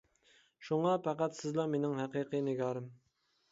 شۇڭا پەقەت سىزلا مىنىڭ ھەقىقىي نىگارىم.